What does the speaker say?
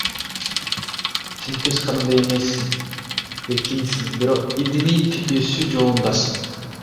Сен көз каранды эмессиң, эркинсиң, бирок ирденип, өсүү жолундасың.